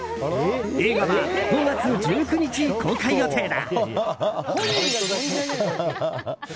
映画は５月１９日公開予定だ。